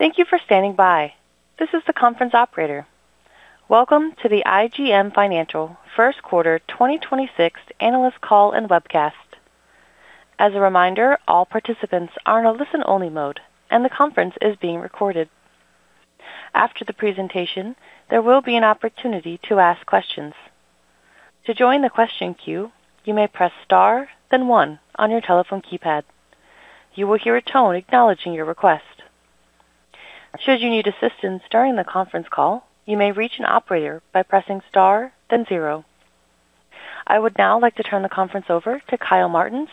Thank you for standing by. This is the conference operator. Welcome to the IGM Financial First Quarter 2026 analyst call and webcast. As a reminder, all participants are in a listen-only mode, and the conference is being recorded. After the presentation, there will be an opportunity to ask questions. To join the question queue, you may press star, then one on your telephone keypad. You will hear a tone acknowledging your request. Should you need assistance during the conference call, you may reach an operator by pressing star, then zero. I would now like to turn the conference over to Kyle Martens,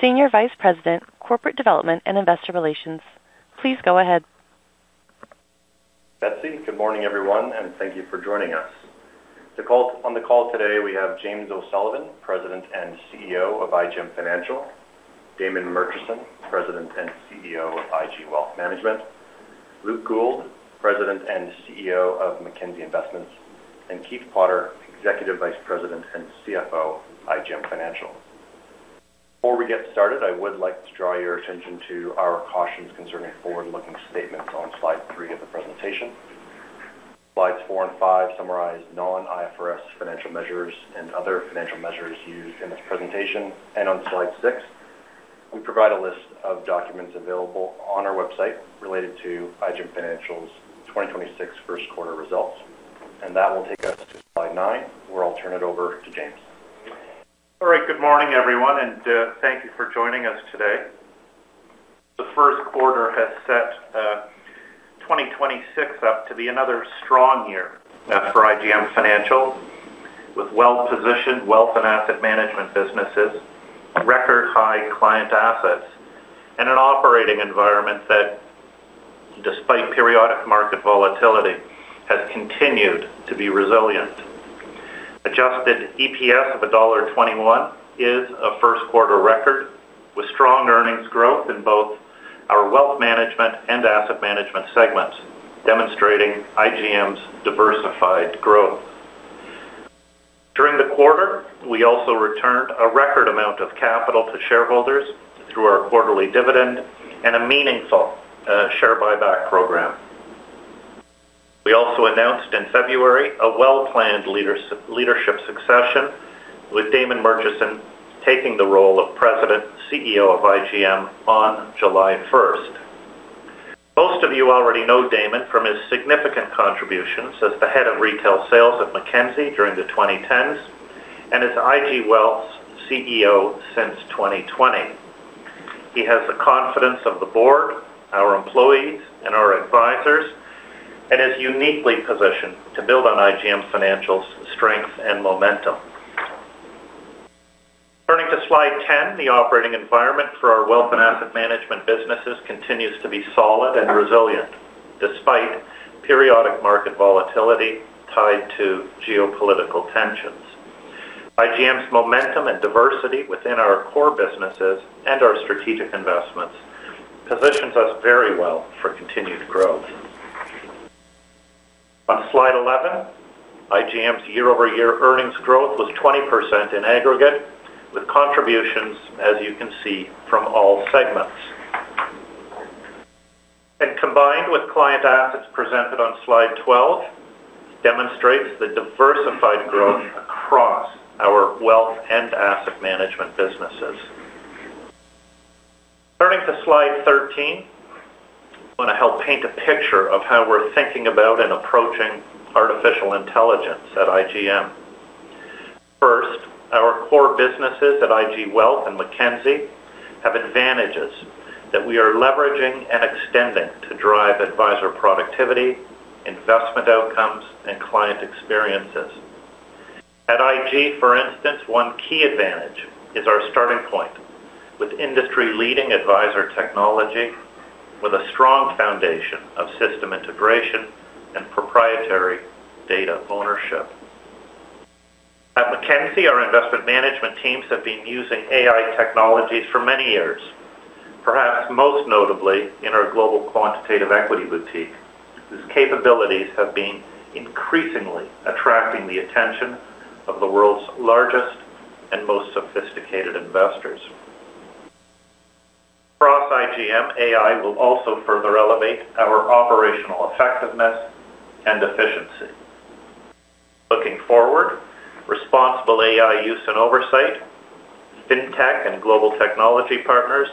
Senior Vice President, Corporate Development and Investor Relations. Please go ahead. Betsey, good morning, everyone, and thank you for joining us. On the call today, we have James O'Sullivan, President and CEO of IGM Financial, Damon Murchison, President and CEO of IG Wealth Management, Luke Gould, President and CEO of Mackenzie Investments, and Keith Potter, Executive Vice President and CFO of IGM Financial. Before we get started, I would like to draw your attention to our cautions concerning forward-looking statements on slide three of the presentation. Slides four and five summarize non-IFRS financial measures and other financial measures used in this presentation. On slide six, we provide a list of documents available on our website related to IGM Financial's 2026 first quarter results. That will take us to slide nine, where I'll turn it over to James. All right. Good morning, everyone, and thank you for joining us today. The first quarter has set 2026 up to be another strong year for IGM Financial, with well-positioned wealth and asset management businesses, record high client assets, and an operating environment that, despite periodic market volatility, has continued to be resilient. Adjusted EPS of dollar 1.21 is a first quarter record, with strong earnings growth in both our wealth management and asset management segments, demonstrating IGM's diversified growth. During the quarter, we also returned a record amount of capital to shareholders through our quarterly dividend and a meaningful share buyback program. We also announced in February a well-planned leadership succession, with Damon Murchison taking the role of President, CEO of IGM on July 1st. Most of you already know Damon from his significant contributions as the head of retail sales at Mackenzie during the 2010s and as IG Wealth's CEO since 2020. He has the confidence of the board, our employees, and our advisors, and is uniquely positioned to build on IGM Financial's strength and momentum. Turning to slide 10, the operating environment for our wealth and asset management businesses continues to be solid and resilient despite periodic market volatility tied to geopolitical tensions. IGM's momentum and diversity within our core businesses and our strategic investments positions us very well for continued growth. On slide 11, IGM's year-over-year earnings growth was 20% in aggregate, with contributions, as you can see, from all segments. Combined with client assets presented on slide 12, demonstrates the diversified growth across our wealth and asset management businesses. Turning to slide 13, I want to help paint a picture of how we're thinking about and approaching artificial intelligence at IGM. First, our core businesses at IG Wealth and Mackenzie have advantages that we are leveraging and extending to drive advisor productivity, investment outcomes, and client experiences. At IG, for instance, one key advantage is our starting point with industry-leading advisor technology with a strong foundation of system integration and proprietary data ownership. At Mackenzie, our investment management teams have been using AI technologies for many years, perhaps most notably in our global quantitative equity boutique, whose capabilities have been increasingly attracting the attention of the world's largest and most sophisticated investors. Across IGM, AI will also further elevate our operational effectiveness and efficiency. Looking forward, responsible AI use and oversight, FinTech and global technology partners,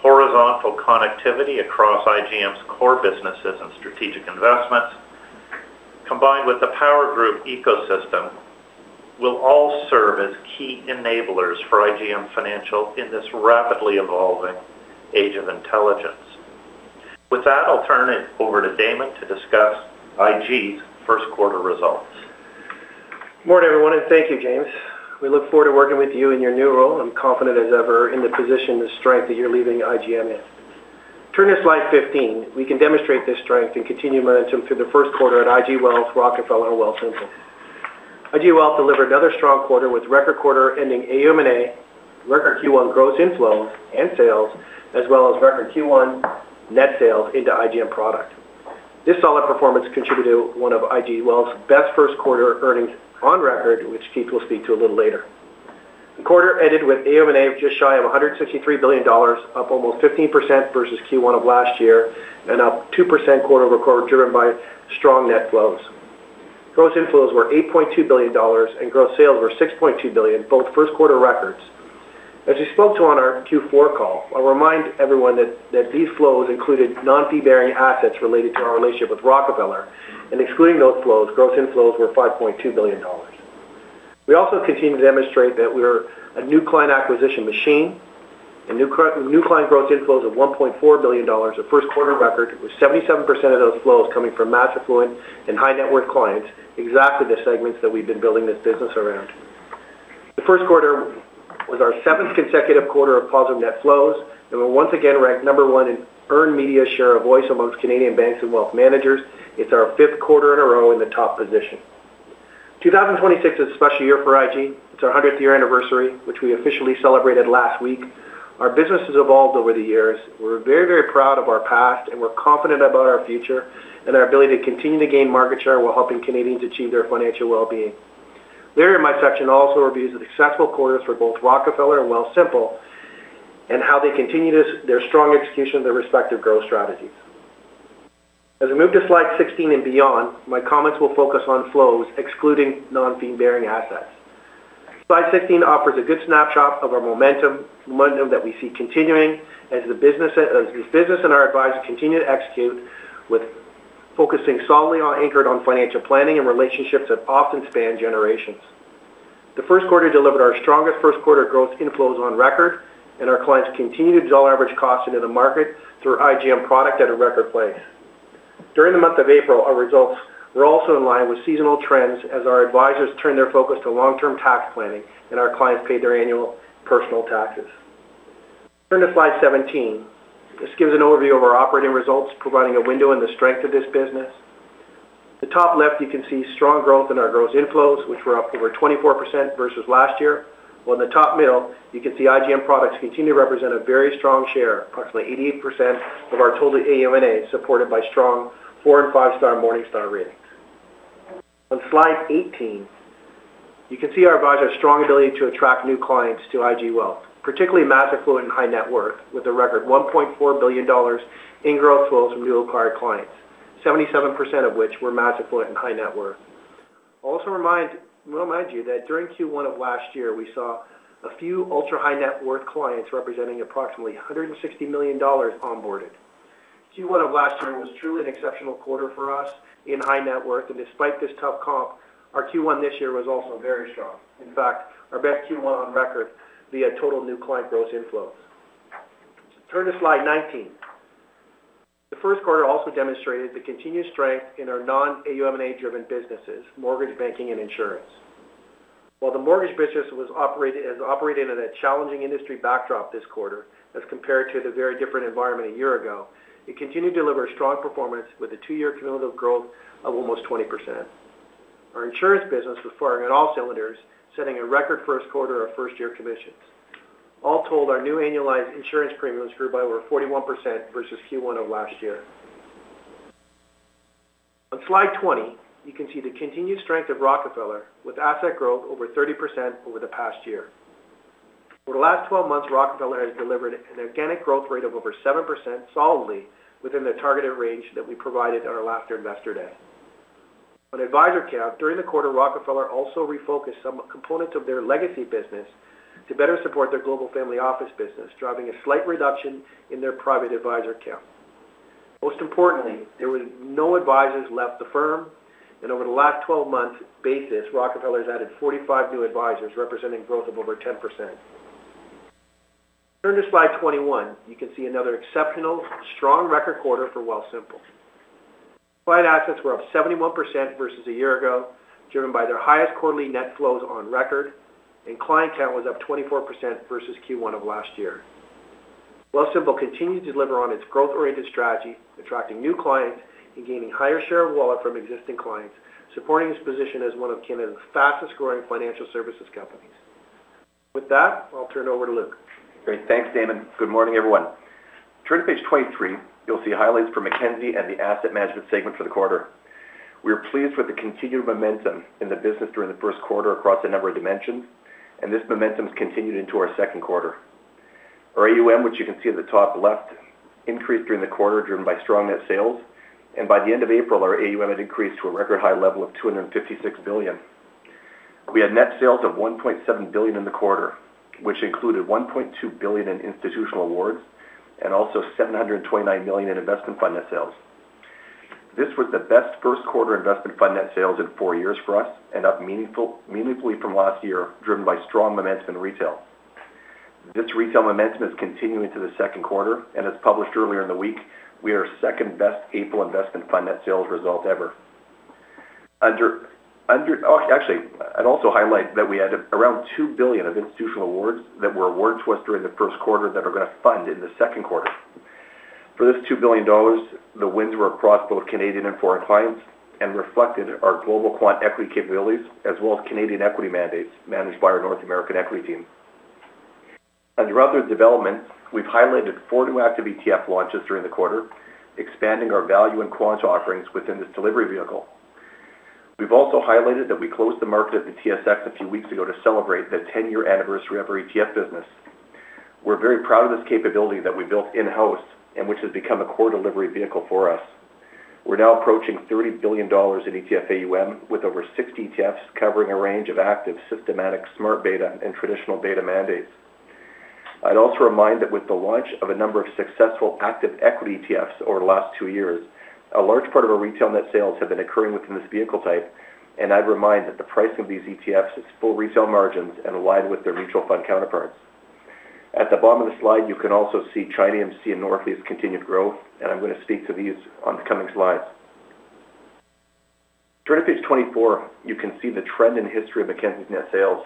horizontal connectivity across IGM's core businesses and strategic investments, combined with the Power Group ecosystem, will all serve as key enablers for IGM Financial in this rapidly evolving age of intelligence. With that, I'll turn it over to Damon to discuss IG's first quarter results. Morning, everyone, and thank you, James. We look forward to working with you in your new role. I'm confident as ever in the position, the strength that you're leaving IGM in. Turning to slide 15, we can demonstrate this strength and continued momentum through the first quarter at IG Wealth, Rockefeller Capital Management. IG Wealth delivered another strong quarter with record quarter ending AUM&A, record Q1 gross inflows and sales, as well as record Q1 net sales into IGM product. This solid performance contributed to one of IG Wealth's best first quarter earnings on record, which Keith will speak to a little later. The quarter ended with AUM&A of just shy of 163 billion dollars, up almost 15% versus Q1 of last year and up 2% quarter-over-quarter, driven by strong net flows. Gross inflows were 8.2 billion dollars and gross sales were 6.2 billion, both first quarter records. As we spoke to on our Q4 call, I'll remind everyone that these flows included non-fee-bearing assets related to our relationship with Rockefeller. Excluding those flows, gross inflows were 5.2 billion dollars. We also continue to demonstrate that we are a new client acquisition machine and new client gross inflows of 1.4 billion dollars, a first quarter record, with 77% of those flows coming from mass affluent and high net worth clients, exactly the segments that we've been building this business around. The first quarter was our seventh consecutive quarter of positive net flows, and we once again ranked number one in earned media share of voice amongst Canadian banks and wealth managers. It's our fifth quarter in a row in the top position. 2026 is a special year for IG. It's our 100th-year anniversary, which we officially celebrated last week. Our business has evolved over the years. We're very, very proud of our past, and we're confident about our future and our ability to continue to gain market share while helping Canadians achieve their financial well-being. Later in my section also reviews the successful quarters for both Rockefeller and Wealthsimple and how they continue to their strong execution of their respective growth strategies. As we move to slide 16 and beyond, my comments will focus on flows excluding non-fee-bearing assets. Slide 16 offers a good snapshot of our momentum that we see continuing as this business and our advisors continue to execute with focusing solely on anchored on financial planning and relationships that often span generations. The first quarter delivered our strongest first quarter growth inflows on record. Our clients continued to draw average cost into the market through IGM product at a record pace. During the month of April, our results were also in line with seasonal trends as our advisors turned their focus to long-term tax planning and our clients paid their annual personal taxes. Turn to slide 17. This gives an overview of our operating results, providing a window into the strength of this business. The top left, you can see strong growth in our gross inflows, which were up over 24% versus last year. While in the top middle, you can see IGM products continue to represent a very strong share, approximately 88% of our total AUM&A, supported by strong four- and five-star Morningstar ratings. On slide 18, you can see our advisors' strong ability to attract new clients to IG Wealth, particularly mass affluent and high net worth, with a record 1.4 billion dollars in gross flows from new acquired clients, 77% of which were mass affluent and high net worth. We'll remind you that during Q1 of last year, we saw a few ultra-high net worth clients representing approximately 160 million dollars onboarded. Q1 of last year was truly an exceptional quarter for us in high net worth, and despite this tough comp, our Q1 this year was also very strong. In fact, our best Q1 on record via total new client gross inflows. Turn to slide 19. The first quarter also demonstrated the continued strength in our non-AUM&A-driven businesses, mortgage banking and insurance. While the mortgage business is operating in a challenging industry backdrop this quarter as compared to the very different environment a year ago, it continued to deliver strong performance with a two year cumulative growth of almost 20%. Our insurance business was firing on all cylinders, setting a record first quarter of first-year commissions. All told, our new annualized insurance premiums grew by over 41% versus Q1 of last year. On slide 20, you can see the continued strength of Rockefeller with asset growth over 30% over the past year. For the last 12 months, Rockefeller has delivered an organic growth rate of over 7% solidly within the targeted range that we provided at our last Investor Day. On advisor count, during the quarter, Rockefeller also refocused some components of their legacy business to better support their Rockefeller Global Family Office business, driving a slight reduction in their private advisor count. Most importantly, there was no advisors left the firm. Over the last 12 months basis, Rockefeller has added 45 new advisors, representing growth of over 10%. Turn to slide 21. You can see another exceptional strong record quarter for Wealthsimple. Client assets were up 71% versus a year ago, driven by their highest quarterly net flows on record. Client count was up 24% versus Q1 of last year. Wealthsimple continued to deliver on its growth-oriented strategy, attracting new clients and gaining higher share of wallet from existing clients, supporting its position as one of Canada's fastest-growing financial services companies. With that, I'll turn it over to Luke. Great. Thanks, Damon. Good morning, everyone. Turn to page 23, you'll see highlights for Mackenzie and the asset management segment for the quarter. We are pleased with the continued momentum in the business during the first quarter across a number of dimensions, and this momentum has continued into our second quarter. Our AUM, which you can see at the top left, increased during the quarter, driven by strong net sales. By the end of April, our AUM had increased to a record high level of 256 billion. We had net sales of 1.7 billion in the quarter, which included 1.2 billion in institutional awards and also 729 million in investment fund net sales. This was the best first quarter investment fund net sales in four years for us and up meaningfully from last year, driven by strong momentum in retail. This retail momentum is continuing to the second quarter, and as published earlier in the week, we are second-best April investment fund net sales result ever. Actually, I'd also highlight that we had around 2 billion of institutional awards that were awards to us during the first quarter that are going to fund in the second quarter. For this 2 billion dollars, the wins were across both Canadian and foreign clients and reflected our global quant equity capabilities as well as Canadian equity mandates managed by our North American equity team. Under other developments, we've highlighted four new active ETF launches during the quarter, expanding our value and quant offerings within this delivery vehicle. We've also highlighted that we closed the market at the TSX a few weeks ago to celebrate the 10-year anniversary of our ETF business. We're very proud of this capability that we built in-house, and which has become a core delivery vehicle for us. We're now approaching 30 billion dollars in ETF AUM, with over 60 ETFs covering a range of active, systematic, smart beta, and traditional beta mandates. I'd also remind that with the launch of a number of successful active equity ETFs over the last two years, a large part of our retail net sales have been occurring within this vehicle type, and I'd remind that the price of these ETFs is full retail margins and aligned with their mutual fund counterparts. At the bottom of the slide, you can also see ChinaAMC and Northleaf's continued growth, I'm going to speak to these on the coming slides. Turning to page 24, you can see the trend and history of Mackenzie's net sales.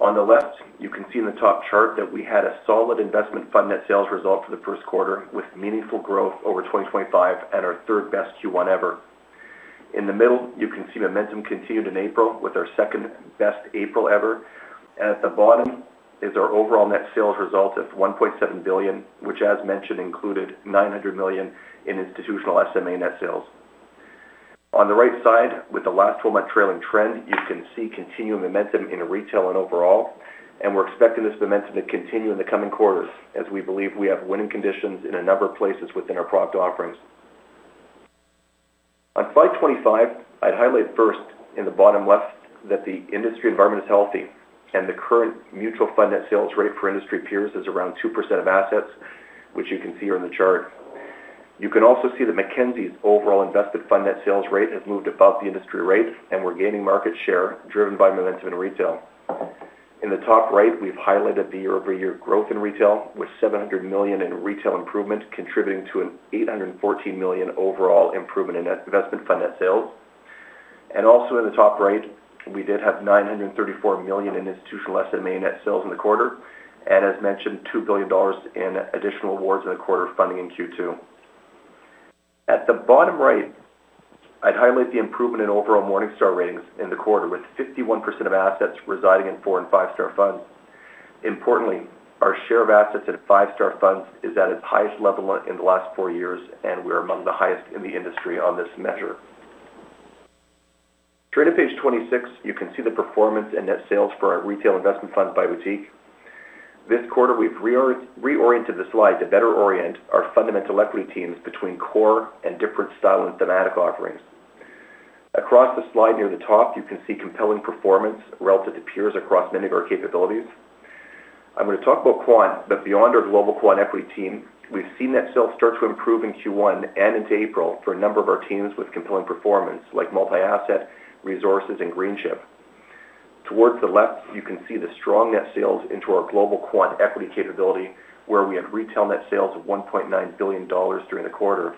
On the left, you can see in the top chart that we had a solid investment fund net sales result for the first quarter, with meaningful growth over 2025 and our third-best Q1 ever. In the middle, you can see momentum continued in April, with our second-best April ever. At the bottom is our overall net sales result of 1.7 billion, which, as mentioned, included 900 million in institutional SMA net sales. On the right side, with the last 12-month trailing trend, you can see continued momentum in retail and overall. We're expecting this momentum to continue in the coming quarters, as we believe we have winning conditions in a number of places within our product offerings. On slide 25, I'd highlight first, in the bottom left, that the industry environment is healthy. The current mutual fund net sales rate for industry peers is around 2% of assets, which you can see here in the chart. You can also see that Mackenzie's overall investment fund net sales rate has moved above the industry rate. We're gaining market share, driven by momentum in retail. In the top right, we've highlighted the year-over-year growth in retail, with 700 million in retail improvement, contributing to a 814 million overall improvement in investment fund net sales. Also in the top right, we did have 934 million in institutional SMA net sales in the quarter, as mentioned, 2 billion dollars in additional awards in the quarter funding in Q2. At the bottom right, I'd highlight the improvement in overall Morningstar ratings in the quarter, with 51% of assets residing in 4-and 5-star funds. Importantly, our share of assets at 5-star funds is at its highest level in the last four years, and we're among the highest in the industry on this measure. Turning to page 26, you can see the performance and net sales for our retail investment fund by boutique. This quarter, we've reoriented the slide to better orient our fundamental equity teams between core and different style and thematic offerings. Across the slide near the top, you can see compelling performance relative to peers across many of our capabilities. I'm going to talk about quant, but beyond our global quant equity team, we've seen net sales start to improve in Q1 and into April for a number of our teams with compelling performance, like multi-asset, resources, and Greenchip. Towards the left, you can see the strong net sales into our global quant equity capability, where we have retail net sales of 1.9 billion dollars during the quarter.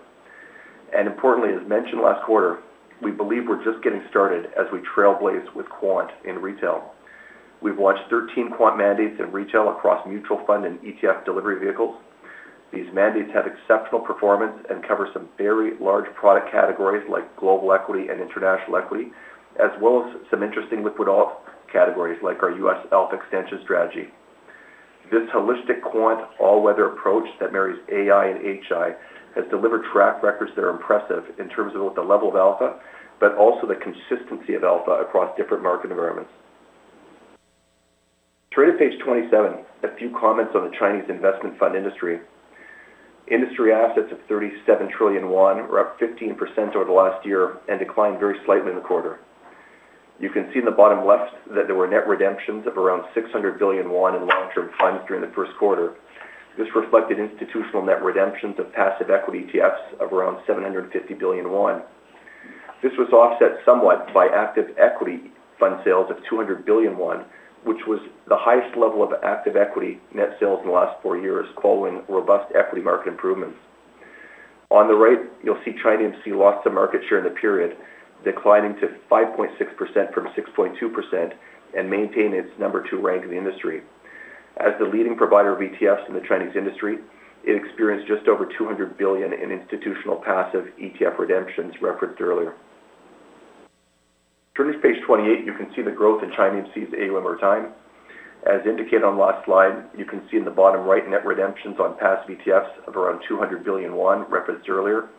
Importantly, as mentioned last quarter, we believe we're just getting started as we trailblaze with quant in retail. We've launched 13 quant mandates in retail across mutual fund and ETF delivery vehicles. These mandates have exceptional performance and cover some very large product categories like global equity and international equity, as well as some interesting liquid alt categories like our U.S. alpha extension strategy. This holistic quant all-weather approach that marries AI/HI has delivered track records that are impressive in terms of both the level of alpha, but also the consistency of alpha across different market environments. Turning to page 27, a few comments on the Chinese investment fund industry. Industry assets of CNY 37 trillion were up 15% over the last year and declined very slightly in the quarter. You can see in the bottom left that there were net redemptions of around CNY 600 billion in long-term funds during the first quarter. This reflected institutional net redemptions of passive equity ETFs of around CNY 750 billion. This was offset somewhat by active equity fund sales of CNY 200 billion, which was the highest level of active equity net sales in the last four years following robust equity market improvements. On the right, you'll see ChinaAMC lost some market share in the period, declining to 5.6% from 6.2% and maintaining its number two rank in the industry. As the leading provider of ETFs in the Chinese industry, it experienced just over 200 billion in institutional passive ETF redemptions referenced earlier. Turning to page 28, you can see the growth in ChinaAMC's AUM over time. As indicated on the last slide, you can see in the bottom right net redemptions on passive ETFs of around CNY 200 billion referenced earlier.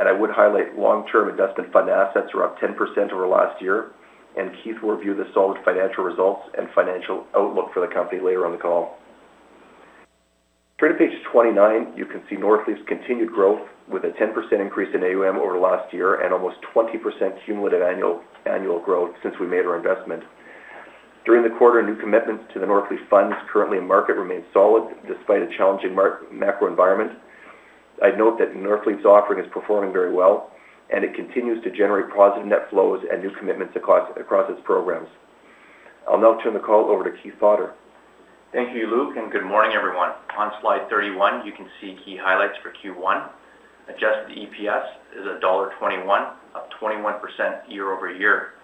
I would highlight long-term investment fund assets were up 10% over last year, and Keith will review the solid financial results and financial outlook for the company later on the call. Turning to page 29, you can see Northleaf's continued growth with a 10% increase in AUM over last year and almost 20% cumulative annual growth since we made our investment. During the quarter, new commitments to the Northleaf funds currently in market remained solid despite a challenging macro environment. I'd note that Northleaf's offering is performing very well, and it continues to generate positive net flows and new commitments across its programs. I'll now turn the call over to Keith Potter. Thank you, Luke, and good morning, everyone. On slide 31, you can see key highlights for Q1. Adjusted EPS is CAD 1.21, up 21% year-over-year.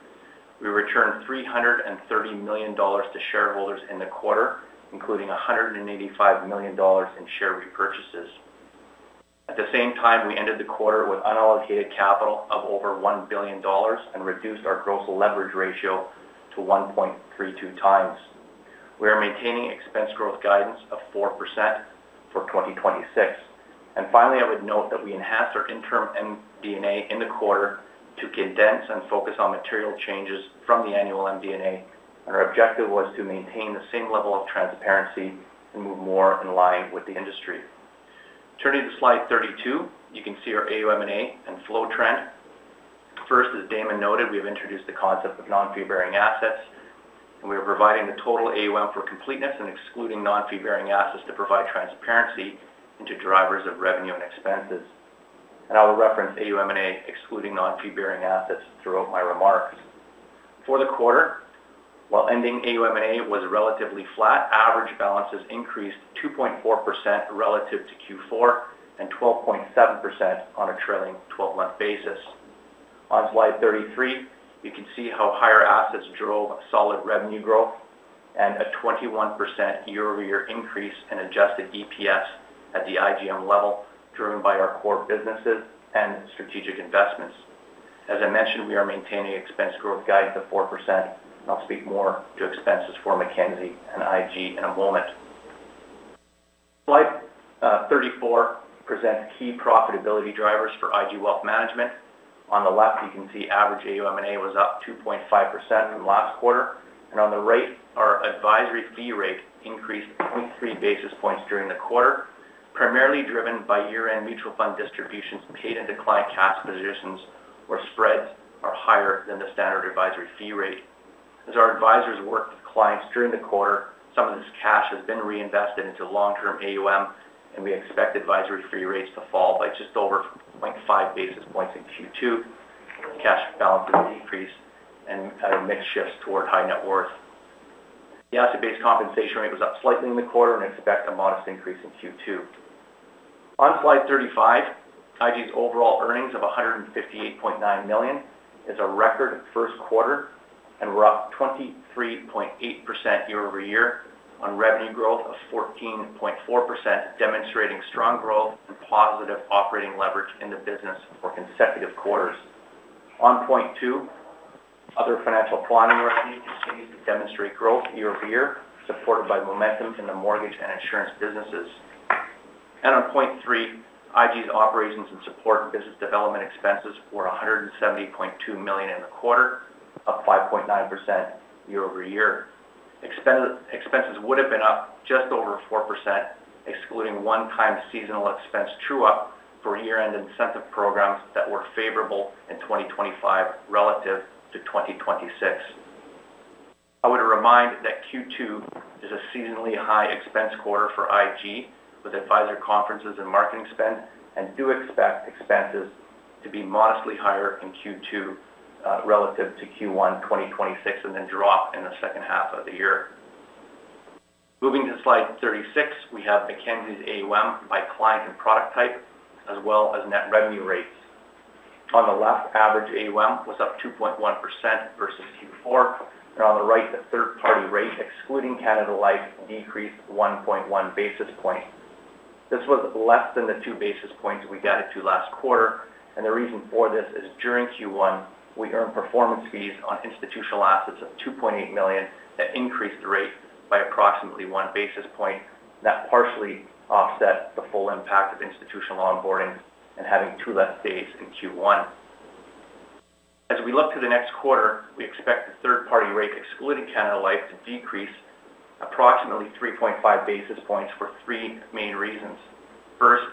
We returned 330 million dollars to shareholders in the quarter, including 185 million dollars in share repurchases. At the same time, we ended the quarter with unallocated capital of over 1 billion dollars and reduced our gross leverage ratio to 1.32 times. We are maintaining expense growth guidance of 4% for 2026. Finally, I would note that we enhanced our interim MD&A in the quarter to condense and focus on material changes from the annual MD&A. Our objective was to maintain the same level of transparency and move more in line with the industry. Turning to slide 32, you can see our AUM&A and flow trend. First, as Damon noted, we have introduced the concept of non-fee-bearing assets. We are providing the total AUM for completeness and excluding non-fee-bearing assets to provide transparency into drivers of revenue and expenses. I will reference AUM&A excluding non-fee-bearing assets throughout my remarks. For the quarter, while ending AUM&A was relatively flat, average balances increased 2.4% relative to Q4 and 12.7% on a trailing 12-month basis. On slide 33, you can see how higher assets drove solid revenue growth and a 21% year-over-year increase in Adjusted EPS at the IGM level, driven by our core businesses and strategic investments. As I mentioned, we are maintaining expense growth guidance of 4%. I will speak more to expenses for Mackenzie and IG in a moment. Slide 34 presents key profitability drivers for IG Wealth Management. On the left, you can see average AUM&A was up 2.5% from last quarter. On the right, our advisory fee rate increased 0.3 basis points during the quarter, primarily driven by year-end mutual fund distributions paid into client cash positions where spreads are higher than the standard advisory fee rate. As our advisors worked with clients during the quarter, some of this cash has been reinvested into long-term AUM, and we expect advisory fee rates to fall by just over 0.5 basis points in Q2. Cash balances decrease and had a mix shift toward high net worth. The asset-based compensation rate was up slightly in the quarter and expect a modest increase in Q2. On slide 35, IG's overall earnings of 158.9 million is a record first quarter, and we're up 23.8% year-over-year on revenue growth of 14.4%, demonstrating strong growth and positive operating leverage in the business for consecutive quarters. On point two, other financial planning revenue continues to demonstrate growth year-over-year, supported by momentum in the mortgage and insurance businesses. On point three, IG's operations and support and business development expenses were 170.2 million in the quarter, up 5.9% year-over-year. Expenses would have been up just over 4%, excluding one-time seasonal expense true-up for year-end incentive programs that were favorable in 2025 relative to 2026. I would remind that Q2 is a seasonally high expense quarter for IG with advisor conferences and marketing spend and do expect expenses to be modestly higher in Q2 relative to Q1 2026 and then drop in the second half of the year. Moving to slide 36, we have Mackenzie's AUM by client and product type as well as net revenue rates. On the left, average AUM was up 2.1% versus Q4, and on the right, the third-party rate, excluding Canada Life, decreased 1.1 basis point. This was less than the 2 basis points we guided to last quarter, and the reason for this is during Q1, we earned performance fees on institutional assets of 2.8 million that increased the rate by approximately 1 basis point. That partially offset the full impact of institutional onboarding and having two less days in Q1. As we look to the next quarter, we expect the third-party rate, excluding Canada Life, to decrease approximately 3.5 basis points for three main reasons. First,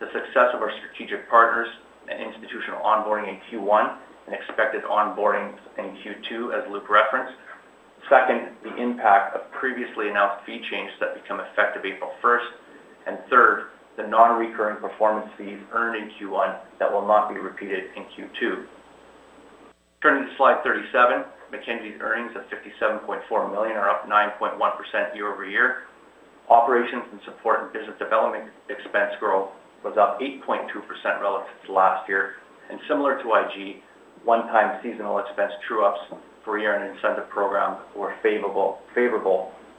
the success of our strategic partners and institutional onboarding in Q1 and expected onboardings in Q2, as Luke referenced. Second, the impact of previously announced fee changes that become effective April first. Third, the non-recurring performance fees earned in Q1 that will not be repeated in Q2. Turning to slide 37, Mackenzie's earnings of 57.4 million are up 9.1% year-over-year. Operations and support and business development expense growth was up 8.2% relative to last year. Similar to IG, one-time seasonal expense true-ups for year-end incentive programs were favorable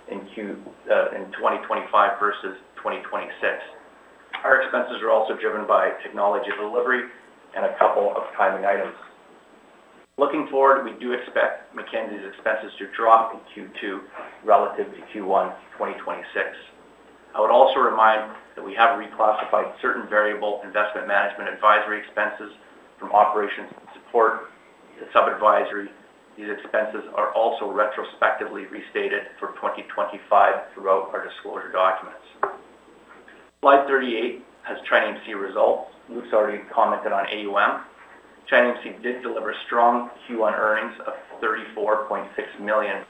in 2025 versus 2026. Our expenses were also driven by technology delivery and a couple of timing items. Looking forward, we do expect Mackenzie's expenses to drop in Q2 relative to Q1 2026. I would also remind that we have reclassified certain variable investment management advisory expenses from operations and support to sub advisory. These expenses are also retrospectively restated for 2025 throughout our disclosure documents. Slide 38 has ChinaAMC results. Luke's already commented on AUM. ChinaAMC did deliver strong Q1 earnings of 34.6 million.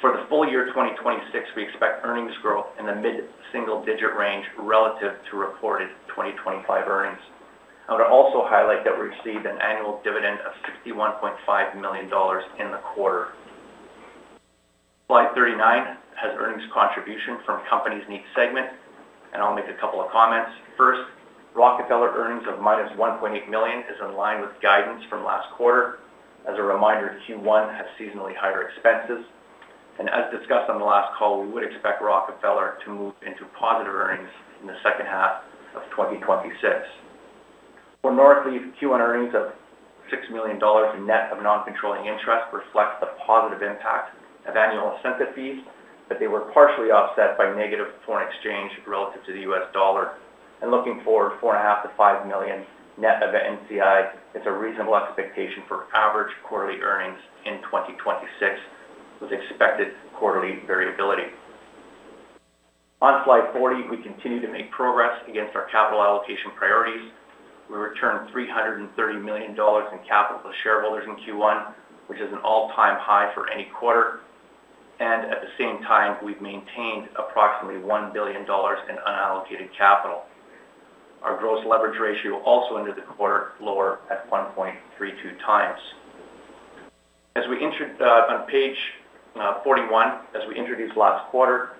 For the full year 2026, we expect earnings growth in the mid-single-digit range relative to reported 2025 earnings. I would also highlight that we received an annual dividend of 61.5 million dollars in the quarter. Slide 39 has earnings contribution from companies in each segment. I'll make a couple of comments. First, Rockefeller earnings of -1.8 million is in line with guidance from last quarter. As a reminder, Q1 had seasonally higher expenses. As discussed on the last call, we would expect Rockefeller to move into positive earnings in the second half of 2026. For Northleaf, Q1 earnings of 6 million dollars in net of non-controlling interest reflects the positive impact of annual incentive fees, but they were partially offset by negative foreign exchange relative to the U.S. dollar. Looking forward, 4.5 million-5 million net of NCI is a reasonable expectation for average quarterly earnings in 2026, with expected quarterly variability. On slide 40, we continue to make progress against our capital allocation priorities. We returned 330 million dollars in capital to shareholders in Q1, which is an all-time high for any quarter. At the same time, we've maintained approximately 1 billion dollars in unallocated capital. Our gross leverage ratio also ended the quarter lower at 1.32 times. On page 41, as we introduced last quarter,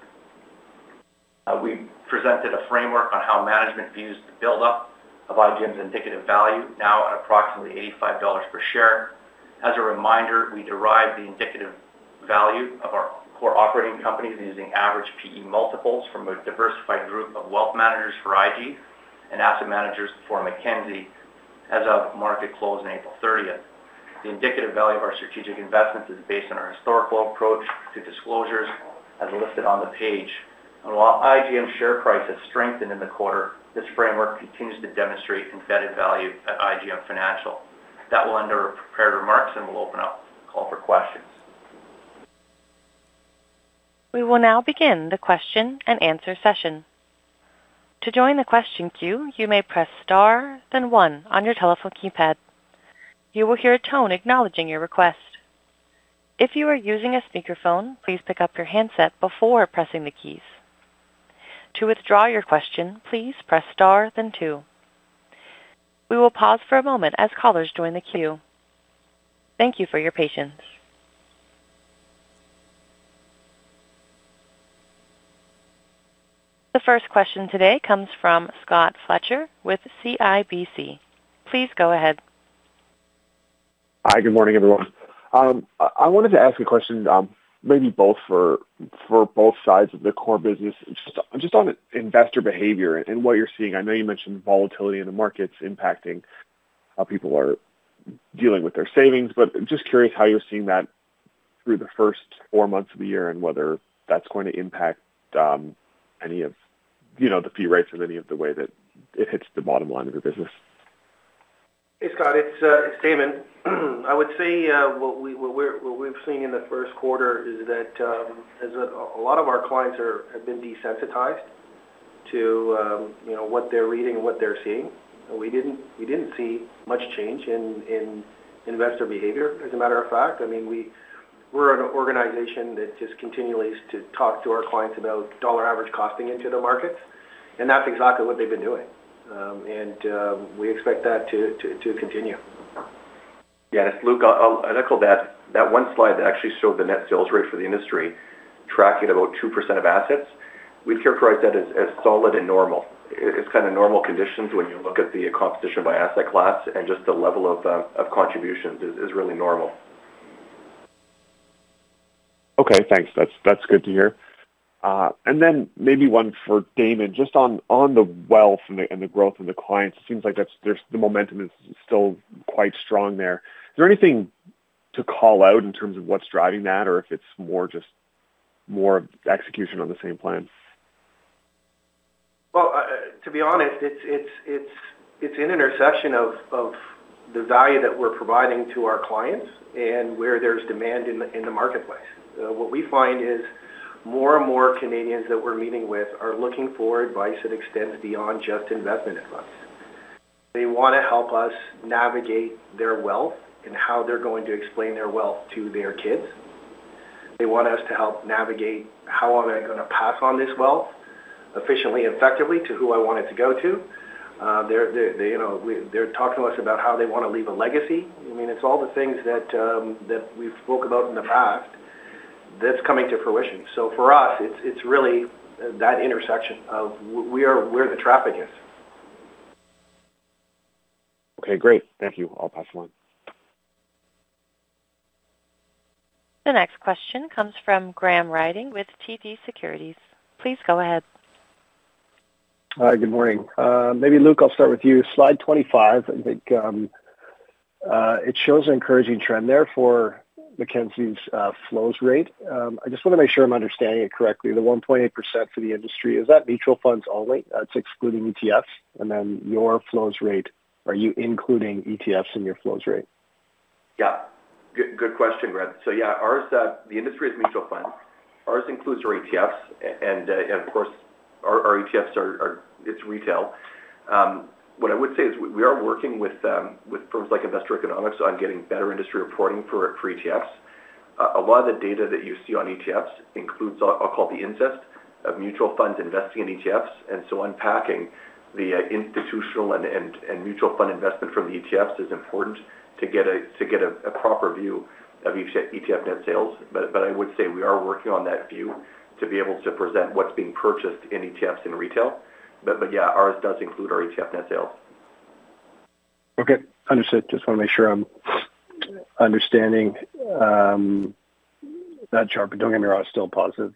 we presented a framework on how management views the buildup of IGM's indicative value, now at approximately 85 dollars per share. As a reminder, we derive the indicative value of our core operating companies using average PE multiples from a diversified group of wealth managers for IG and asset managers for Mackenzie as of market close in April 30th. The indicative value of our strategic investments is based on our historical approach to disclosures as listed on the page. While IGM share price has strengthened in the quarter, this framework continues to demonstrate embedded value at IGM Financial. That will end our prepared remarks, and we'll open up the call for questions. We will now begin the question-and-answer session. To join the question queue, you may press star, then one on your telephone keypad. You will hear a tone acknowledging your request. If you are using a speakerphone, please pick up your handset before pressing the keys. To withdraw your question, please press star, then two. We will pause for a moment as callers join the queue. Thank you for your patience. The first question today comes from Scott Fletcher with CIBC. Please go ahead. Hi. Good morning, everyone. I wanted to ask a question, maybe for both sides of the core business. Just on investor behavior and what you're seeing. I know you mentioned volatility in the markets impacting how people are dealing with their savings, but just curious how you're seeing that through the first four months of the year and whether that's going to impact any of, you know, the fee rates or any of the way that it hits the bottom line of your business. Hey, Scott. It's, it's Damon. I would say what we've seen in the first quarter is that as a lot of our clients have been desensitized to, you know, what they're reading and what they're seeing. We didn't see much change in investor behavior, as a matter of fact. I mean, we're an organization that just continues to talk to our clients about dollar-average costing into the markets, and that's exactly what they've been doing. We expect that to continue. Yeah. Luke, I'll echo that. That one slide that actually showed the net sales rate for the industry tracking about 2% of assets, we'd characterize that as solid and normal. It's kind of normal conditions when you look at the competition by asset class and just the level of contributions is really normal. Okay, thanks. That's good to hear. Maybe one for Damon, just on the wealth and the growth of the clients, it seems like the momentum is still quite strong there. Is there anything to call out in terms of what's driving that or if it's more just more execution on the same plan? To be honest, it's an intersection of the value that we're providing to our clients and where there's demand in the marketplace. What we find is more and more Canadians that we're meeting with are looking for advice that extends beyond just investment advice. They want to help us navigate their wealth and how they're going to explain their wealth to their kids. They want us to help navigate how am I gonna pass on this wealth efficiently, effectively to who I want it to go to. You know, they're talking to us about how they want to leave a legacy. I mean, it's all the things that we've spoke about in the past that's coming to fruition. For us, it's really that intersection of where the traffic is. Okay, great. Thank you. I'll pass along. The next question comes from Graham Ryding with TD Securities. Please go ahead. Hi, good morning. Maybe Luke, I'll start with you. Slide 25, I think, it shows an encouraging trend there for Mackenzie's flows rate. I just want to make sure I'm understanding it correctly. The 1.8% for the industry, is that mutual funds only? That's excluding ETFs? Your flows rate, are you including ETFs in your flows rate? Yeah. Good question, Graham. Yeah, ours, the industry is mutual funds. Ours includes our ETFs. And of course, our ETFs are, it's retail. What I would say is we are working with firms like Investor Economics on getting better industry reporting for ETFs. A lot of the data that you see on ETFs includes, I'll call it the incest of mutual funds investing in ETFs. Unpacking the institutional and mutual fund investment from the ETFs is important to get a proper view of ETF net sales. But I would say we are working on that view to be able to present what's being purchased in ETFs in retail. But yeah, ours does include our ETF net sales. Okay. Understood. Just want to make sure I'm understanding that chart. Don't get me wrong, it's still a positive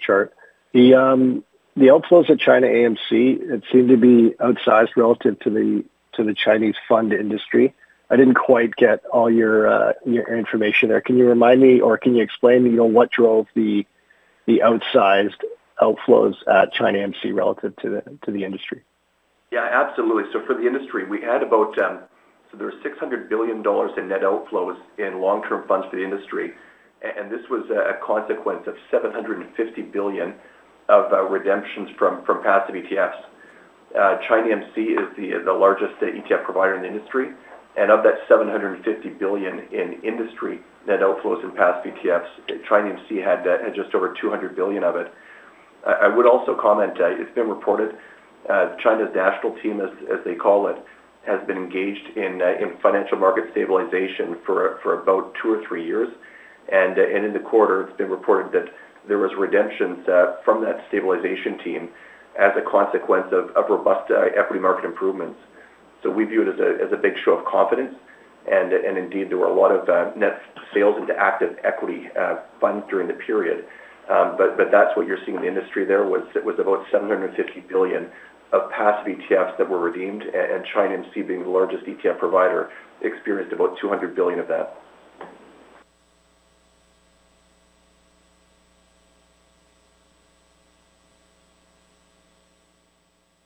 chart. The, the outflows at ChinaAMC, it seemed to be outsized relative to the, to the Chinese fund industry. I didn't quite get all your information there. Can you remind me, or can you explain to me what drove the outsized outflows at ChinaAMC relative to the, to the industry? Yeah, absolutely. For the industry, we had about, there was 600 billion dollars in net outflows in long-term funds for the industry. This was a consequence of 750 billion of redemptions from passive ETFs. ChinaAMC is the largest ETF provider in the industry. Of that 750 billion in industry net outflows and passive ETFs, ChinaAMC had just over 200 billion of it. I would also comment, it's been reported, China's national team, as they call it, has been engaged in financial market stabilization for about two or three years. In the quarter, it's been reported that there was redemptions from that stabilization team as a consequence of robust equity market improvements. We view it as a big show of confidence. Indeed, there were a lot of net sales into active equity funds during the period. But that's what you're seeing in the industry, it was about 750 billion of passive ETFs that were redeemed, and ChinaAMC being the largest ETF provider, experienced about 200 billion of that.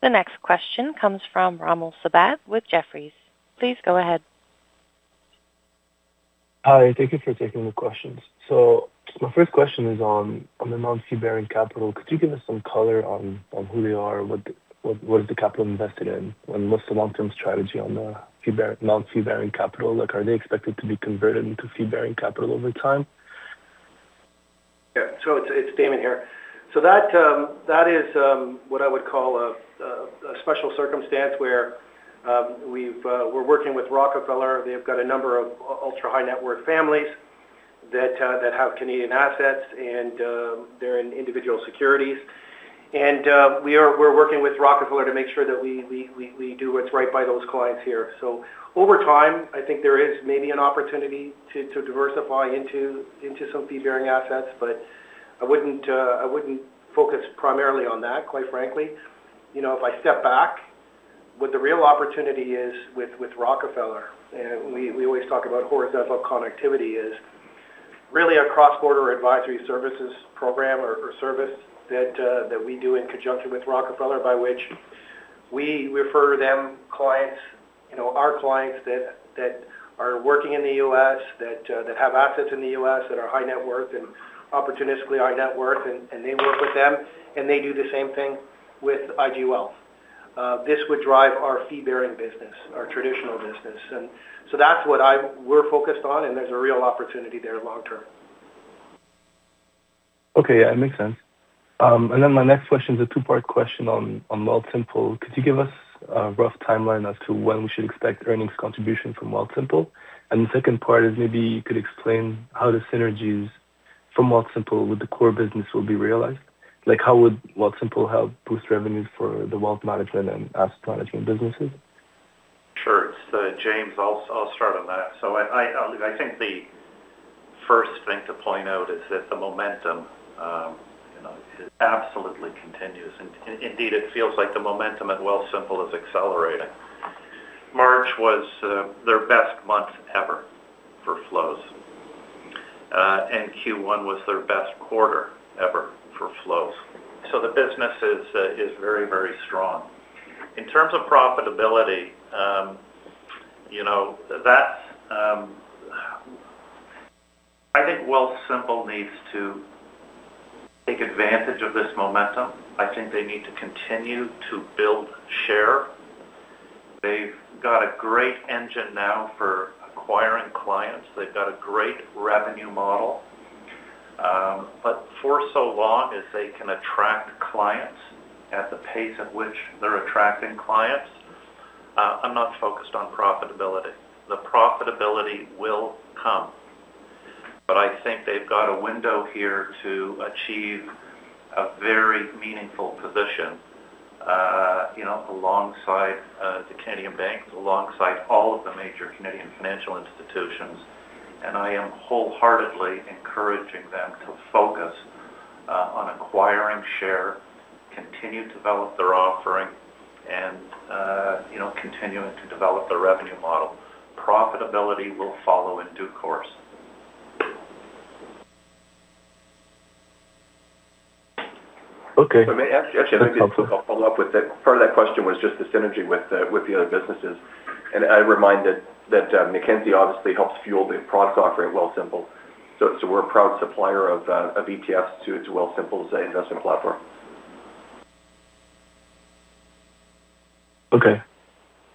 The next question comes from Romel Sabat with Jefferies. Please go ahead. Hi, thank you for taking the questions. My first question is on the non-fee-bearing capital. Could you give us some color on who they are, what is the capital invested in? What's the long-term strategy on the non-fee-bearing capital? Like, are they expected to be converted into fee-bearing capital over time? Yeah. It's Damon here. That is what I would call a special circumstance where we're working with Rockefeller. They've got a number of ultra high net worth families that have Canadian assets, and they're in individual securities. We're working with Rockefeller to make sure that we do what's right by those clients here. Over time, I think there is maybe an opportunity to diversify into some fee-bearing assets, but I wouldn't focus primarily on that, quite frankly. You know, if I step back, what the real opportunity is with Rockefeller, and we always talk about horizontal connectivity, is really a cross-border advisory services program or service that we do in conjunction with Rockefeller, by which we refer them clients, you know, our clients that are working in the U.S. that have assets in the U.S. that are high net worth and opportunistically high net worth, and they work with them, and they do the same thing with IG Wealth. This would drive our fee-bearing business, our traditional business. That's what we're focused on, and there's a real opportunity there long term. Okay. Yeah, it makes sense. Then my next question is a two-part question on Wealthsimple. Could you give us a rough timeline as to when we should expect earnings contribution from Wealthsimple? The second part is maybe you could explain how the synergies from Wealthsimple with the core business will be realized. Like, how would Wealthsimple help boost revenues for the wealth management and asset management businesses? Sure. It's James. I'll start on that. I think the first thing to point out is that the momentum, you know, it absolutely continues. Indeed, it feels like the momentum at Wealthsimple is accelerating. March was their best month ever for flows. Q1 was their best quarter ever for flows. The business is very strong. In terms of profitability, you know, that's I think Wealthsimple needs to take advantage of this momentum. I think they need to continue to build share. They've got a great engine now for acquiring clients. They've got a great revenue model. For so long as they can attract clients at the pace at which they're attracting clients, I'm not focused on profitability. The profitability will come. I think they've got a window here to achieve a very meaningful position, you know, alongside the Canadian banks, alongside all of the major Canadian financial institutions. I am wholeheartedly encouraging them to focus on acquiring share, continue to develop their offering, and, you know, continuing to develop their revenue model. Profitability will follow in due course. Okay. Actually, maybe I'll follow up with that. Part of that question was just the synergy with the other businesses. I remind that Mackenzie obviously helps fuel the product offering at Wealthsimple. We're a proud supplier of ETFs to Wealthsimple's investment platform. Okay.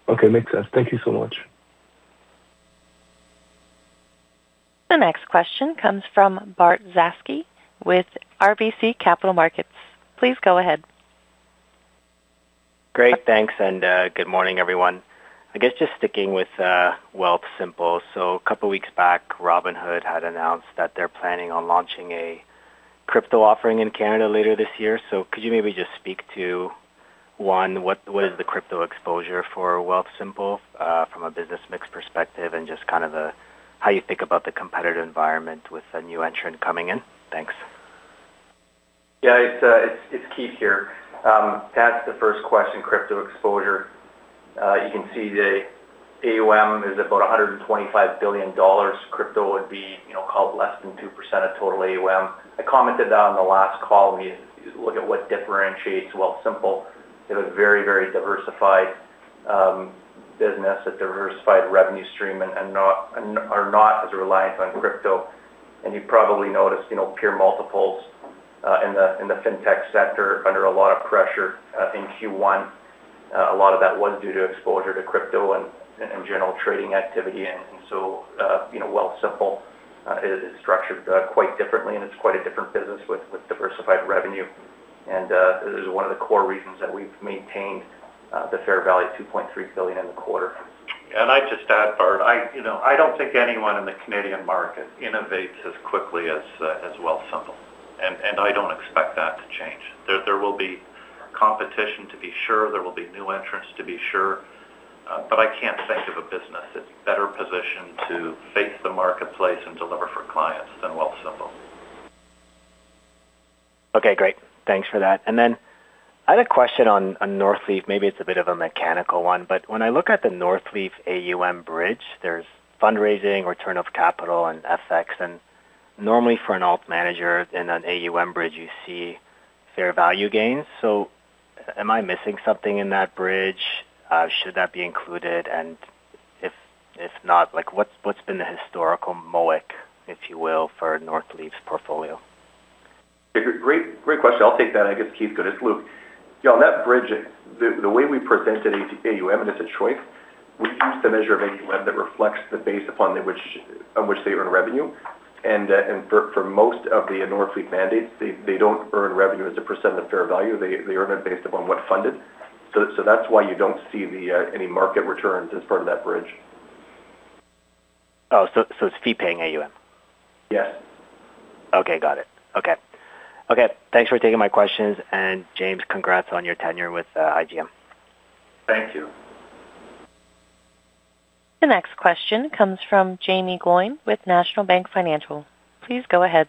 Okay. Makes sense. Thank you so much. The next question comes from Bart Dziarski with RBC Capital Markets. Please go ahead. Great. Thanks, good morning, everyone. I guess just sticking with Wealthsimple. A couple weeks back, Robinhood had announced that they're planning on launching crypto offering in Canada later this year. Could you maybe just speak to, one, what is the crypto exposure for Wealthsimple from a business mix perspective and just kind of how you think about the competitive environment with a new entrant coming in? Thanks. Yeah. It's Keith here. To answer the first question, crypto exposure, you can see the AUM is about 125 billion dollars. Crypto would be, you know, called less than 2% of total AUM. I commented that on the last call. When you look at what differentiates Wealthsimple, they have a very, very diversified business, a diversified revenue stream and are not as reliant on crypto. You probably noticed, you know, peer multiples in the FinTech sector are under a lot of pressure in Q1. A lot of that was due to exposure to crypto and general trading activity. You know, Wealthsimple is structured quite differently, and it's quite a different business with diversified revenue. This is one of the core reasons that we've maintained the fair value of 2.3 billion in the quarter. I'd just add, Bart, I, you know, I don't think anyone in the Canadian market innovates as quickly as Wealthsimple. I don't expect that to change. There will be competition to be sure. There will be new entrants to be sure. I can't think of a business that's better positioned to face the marketplace and deliver for clients than Wealthsimple. Okay. Great. Thanks for that. I had a question on Northleaf. Maybe it's a bit of a mechanical one. When I look at the Northleaf AUM bridge, there's fundraising, return of capital and FX. Normally for an alt manager in an AUM bridge, you see fair value gains. Am I missing something in that bridge? Should that be included? If not, like, what's been the historical MOIC, if you will, for Northleaf's portfolio? Great, great question. I'll take that. I guess Keith could as Luke. On that bridge, the way we present an AUM and it's a choice, we use the measure of AUM that reflects the base upon which they earn revenue. For most of the Northleaf mandates, they don't earn revenue as a percentage of the fair value. They earn it based upon what funded. That's why you don't see any market returns as part of that bridge. It's fee-paying AUM? Yes. Okay. Got it. Okay. Okay. Thanks for taking my questions. James, congrats on your tenure with IGM. Thank you. The next question comes from Jaeme Gloyn with National Bank Financial. Please go ahead.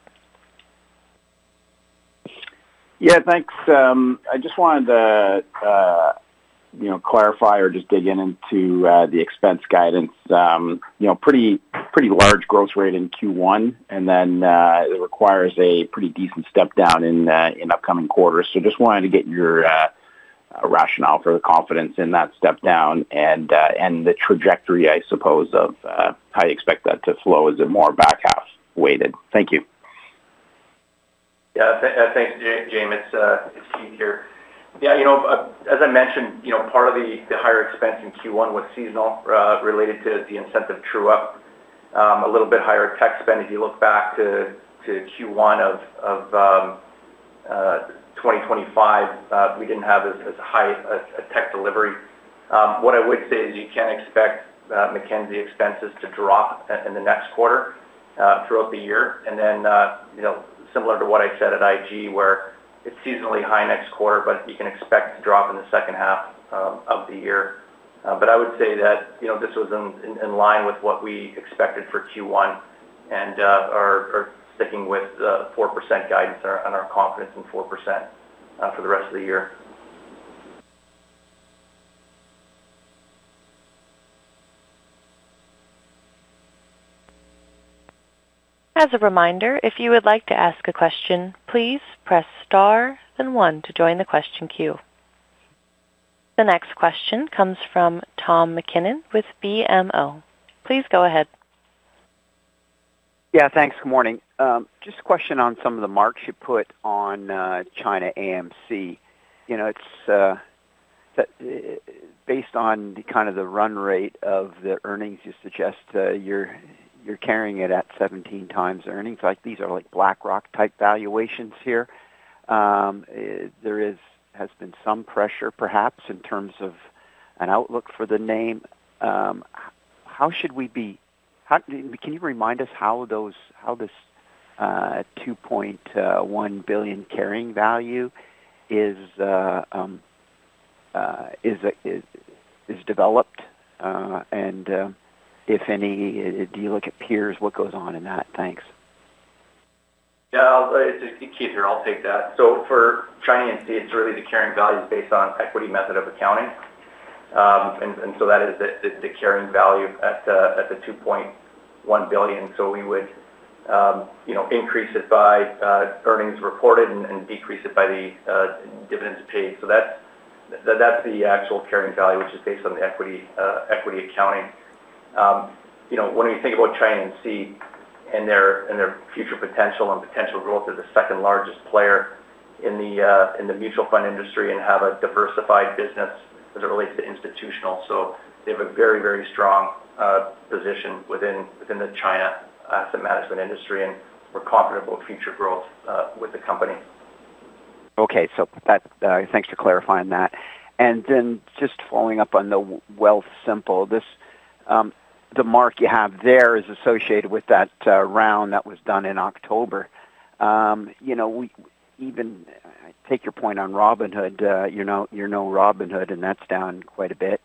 Yeah, thanks. I just wanted to, you know, clarify or just dig in into the expense guidance. You know, pretty large gross rate in Q1, and then it requires a pretty decent step down in upcoming quarters. Just wanted to get your rationale for the confidence in that step down and the trajectory, I suppose, of how you expect that to flow as a more back half weighted. Thank you. Yeah. Thanks, Jaeme. It's Keith here. Yeah, you know, as I mentioned, you know, part of the higher expense in Q1 was seasonal, related to the incentive true up. A little bit higher tech spend. If you look back to Q1 of 2025, we didn't have as high a tech delivery. What I would say is you can expect Mackenzie expenses to drop in the next quarter throughout the year. Then, you know, similar to what I said at IG, where it's seasonally high next quarter, but you can expect to drop in the second half of the year. I would say that, you know, this was in line with what we expected for Q1 and are sticking with the 4% guidance on our confidence in 4% for the rest of the year. As a reminder, if you would like to ask a question, please press star then one to join the question queue. The next question comes from Tom MacKinnon with BMO. Please go ahead. Yeah. Thanks. Good morning. Just a question on some of the marks you put on ChinaAMC. You know, it's based on the kind of the run rate of the earnings you suggest, you're carrying it at 17 times earnings. Like, these are like BlackRock type valuations here. There has been some pressure perhaps in terms of an outlook for the name. Can you remind us how this 2.1 billion carrying value is developed? If any, do you look at peers? What goes on in that? Thanks. Yeah. It's Keith here. I'll take that. For ChinaAMC, it's really the carrying value based on equity method of accounting. That is the carrying value at the 2.1 billion. We would, you know, increase it by earnings reported and decrease it by the dividends paid. That's the actual carrying value, which is based on the equity accounting. You know, when you think about ChinaAMC and their future potential and potential growth, they're the second-largest player in the mutual fund industry and have a diversified business as it relates to institutional. They have a very strong position within the China asset management industry, and we're confident about future growth with the company. That, thanks for clarifying that. Just following up on the Wealthsimple, this, the mark you have there is associated with that round that was done in October. You know, we even take your point on Robinhood, you know, you know Robinhood, and that's down quite a bit.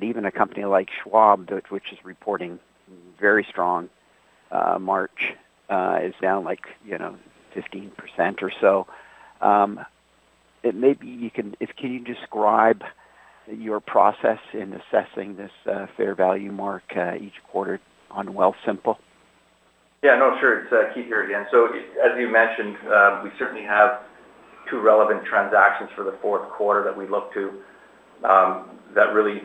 Even a company like Schwab that which is reporting very strong March, is down like, you know, 15% or so. It may be you can describe your process in assessing this fair value mark each quarter on Wealthsimple? Yeah, no, sure. It's Keith here again. As you mentioned, we certainly have two relevant transactions for the fourth quarter that we look to that really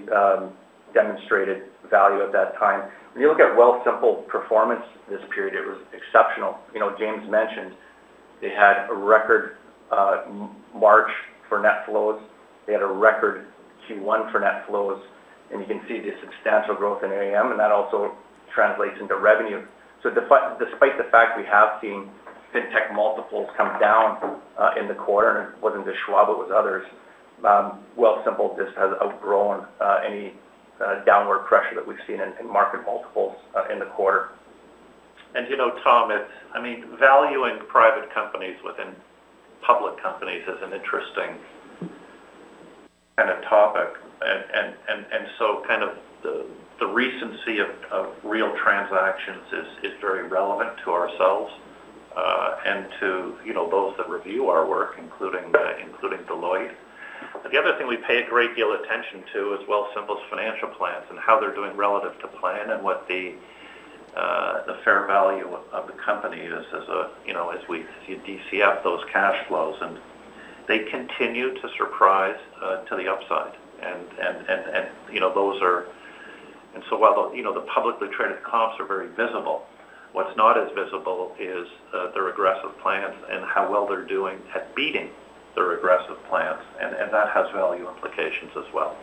demonstrated value at that time. When you look at Wealthsimple performance this period, it was exceptional. You know, James mentioned they had a record March for net flows. They had a record Q1 for net flows, and you can see the substantial growth in AUM, and that also translates into revenue. Despite the fact we have seen FinTech multiples come down in the quarter, and it wasn't just Schwab, it was others, Wealthsimple just has outgrown any downward pressure that we've seen in market multiples in the quarter. You know, Tom, it's I mean, valuing private companies within public companies is an interesting kind of topic. Kind of the recency of real transactions is very relevant to ourselves, and to, you know, those that review our work, including Deloitte. The other thing we pay a great deal attention to is Wealthsimple's financial plans and how they're doing relative to plan and what the fair value of the company is as a, you know, as we DCF those cash flows. They continue to surprise, to the upside. You know, those are And so while the, you know, the publicly traded comps are very visible, what's not as visible is, their aggressive plans and how well they're doing at beating their aggressive plans, and that has value implications as well.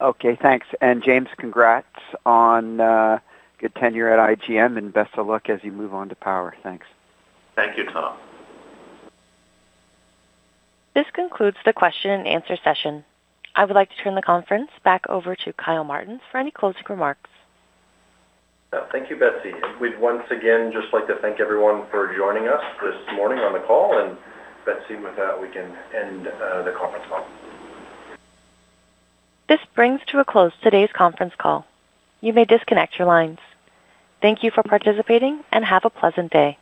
Okay, thanks. James, congrats on your tenure at IGM, and best of luck as you move on to Power. Thanks. Thank you, Tom. This concludes the question-and answer-session. I would like to turn the conference back over to Kyle Martens for any closing remarks. Thank you, Betsey. We'd once again just like to thank everyone for joining us this morning on the call. Betsey, with that, we can end the conference call. This brings to a close today's conference call. You may disconnect your lines. Thank you for participating, and have a pleasant day.